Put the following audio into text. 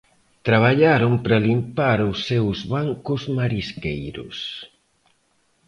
Traballaron para limpar os seus bancos marisqueiros.